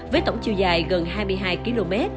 với tổng chiều dài gần hai mươi hai km